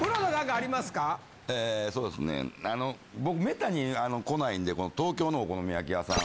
あの僕めったに来ないんでこの東京のお好み焼き屋さん。